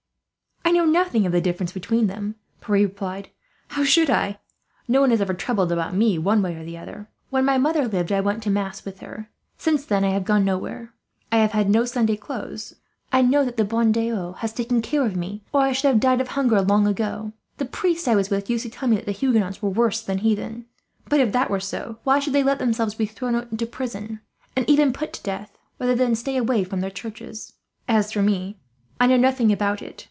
"I know nothing of the difference between them," Pierre replied. "How should I? No one has ever troubled about me, one way or the other. When my mother lived I went to Mass with her; since then I have gone nowhere. I have had no Sunday clothes. I know that the bon Dieu has taken care of me, or I should have died of hunger, long ago. The priest I was with used to tell me that the Huguenots were worse than heathen; but if that were so, why should they let themselves be thrown into prison, and even be put to death, rather than stay away from their churches? As for me, I know nothing about it.